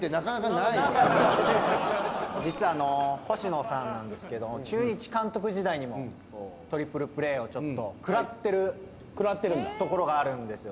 星野さんなんですけど中日監督時代にもトリプルプレーをちょっと食らってるところがあるんですよ。